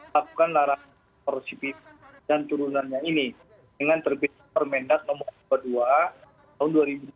lapukan larangan ekspor cpo dan turunannya ini dengan terbit permedad nomor dua puluh dua tahun dua ribu dua